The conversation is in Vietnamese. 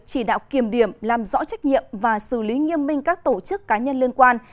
chỉ đạo kiểm điểm làm rõ trách nhiệm và xử lý nghiêm minh các tổ chức cá nhân liên quan